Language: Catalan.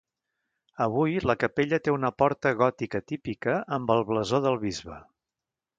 Avui, la capella té una porta gòtica típica amb el blasó del bisbe.